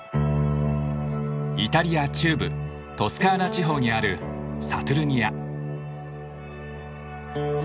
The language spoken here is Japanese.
イタリア中部トスカーナ地方にあるサトゥルニア。